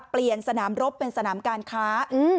เปลี่ยนสนามรบเป็นสนามการค้า